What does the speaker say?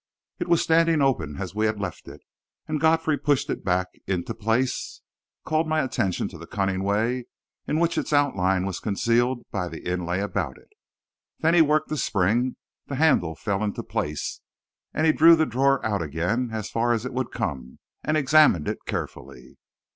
It was standing open as we had left it, and Godfrey pushed it back into place, called my attention to the cunning way in which its outline was concealed by the inlay about it. Then he worked the spring, the handle fell into place, and he drew the drawer out again, as far as it would come, and examined it carefully.